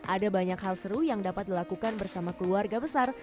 ada banyak hal seru yang dapat dilakukan bersama keluarga besar